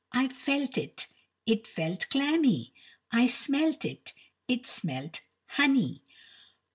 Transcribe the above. I felt it; it felt clammy. I smelt it; it smelt honey.